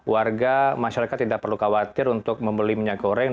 warga masyarakat tidak perlu khawatir untuk membeli minyak goreng